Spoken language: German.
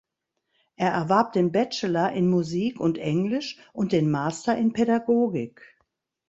Er erwarb den Bachelor in Musik und English und den Master in Pädagogik.